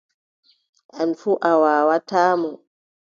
An fuu a waawataa mo.